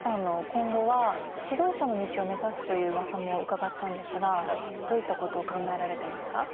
指導者の道を目指すといううわさもうかがったんですがどういったことを考えられていますか？